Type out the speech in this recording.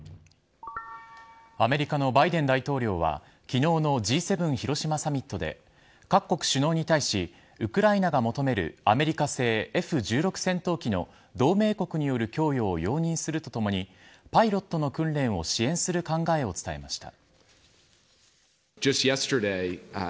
アメリカのバイデン大統領は昨日のＧ７広島サミットで各国首脳に対しウクライナが求めるアメリカ製Ｆ‐１６戦闘機の同盟国による供与を容認するとともにパイロットの訓練を支援する考えを伝えました。